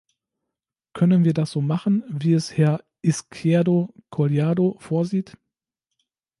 Können wir das so machen, wie es Herr Izquierdo Collado vorsieht?